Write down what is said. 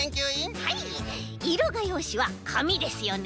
はいいろがようしはかみですよね？